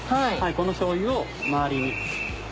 このしょうゆを周りに。